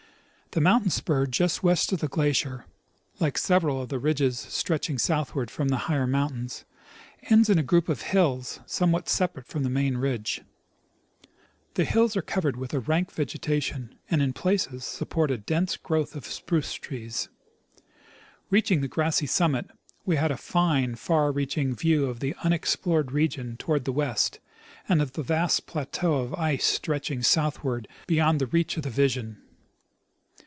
The mountain spur just west of the glacier, like several of the ridges stretching southward from the higher mountains, ends in a grou]) of hills somewhat separate from the main ridge. The hills are covered with a rank vegetation, and in places sup port a dense growth of spruce trees. Reaching the grassy summit, we had a fine, far reaching view of the unexplored region toward the west, and of the vast plateau of ice stretching southward beyond the reach of the vision.